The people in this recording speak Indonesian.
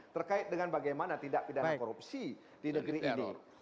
terkait dengan bagaimana tidak pidana korupsi di negeri ini